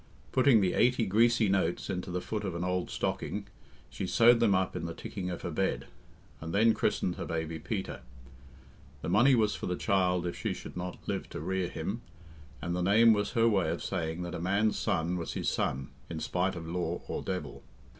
Putting the eighty greasy notes into the foot of an old stocking, she sewed them up in the ticking of her bed, and then christened her baby Peter. The money was for the child if she should not live to rear him, and the name was her way of saying that a man's son was his son in spite of law or devil.